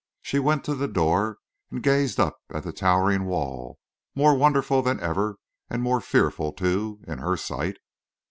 She went to the door and gazed up at the towering wall, more wonderful than ever, and more fearful, too, in her sight.